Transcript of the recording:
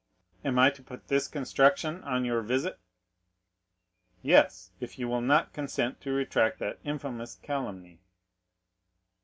Am I to put this construction on your visit?" "Yes, if you will not consent to retract that infamous calumny."